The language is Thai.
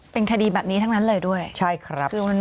เป็นคดีแบบนี้ทั้งนั้นเลยด้วยใช่ครับ